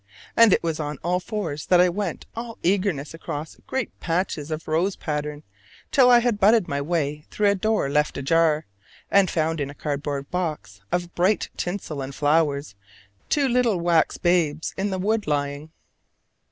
And it was on all fours that I went all eagerness across great patches of rose pattern, till I had butted my way through a door left ajar, and found in a cardboard box of bright tinsel and flowers two little wax babes in the wood lying.